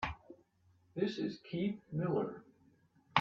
This is Keith Miller.